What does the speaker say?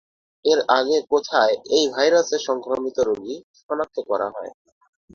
এর আগে কোথায় এই ভাইরাসে সংক্রমিত রোগী শনাক্ত করা হয়?